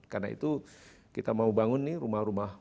karena itu kita mau bangun nih rumah rumah